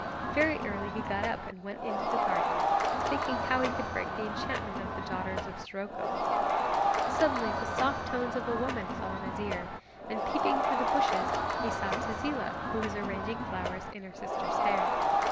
Very early he got up and went into the garden, thinking how he could break the enchantment of the daughters of Siroco. Suddenly the soft tones of a woman fell on his ear, and peeping through the bushes he saw Tezila, who was arranging flowers in her sister's hair.